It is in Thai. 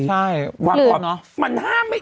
ใช่